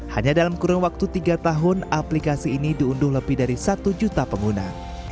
hanya dalam kurun waktu tiga tahun aplikasi ini diunduh lebih dari satu juta pengguna